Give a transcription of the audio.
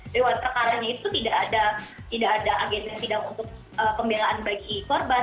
lewat pekaranya itu tidak ada agensi tidak untuk pembelaan bagi korban